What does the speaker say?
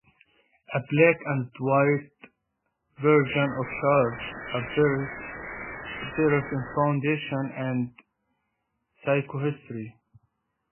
A black-and-white version of the chart appears in "Foundations of Psychohistory".